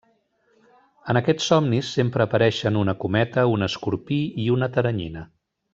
En aquests somnis sempre apareixen una cometa, un escorpí i una teranyina.